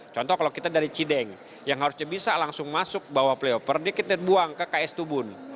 contoh kalau kita dari cideng yang harusnya bisa langsung masuk bawah playoff dia kita buang ke ks tubun